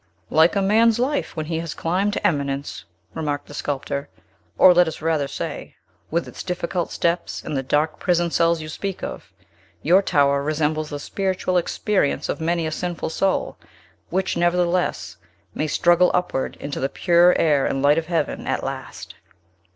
"Like a man's life, when he has climbed to eminence," remarked the sculptor; "or, let us rather say, with its difficult steps, and the dark prison cells you speak of, your tower resembles the spiritual experience of many a sinful soul, which, nevertheless, may struggle upward into the pure air and light of Heaven at last!"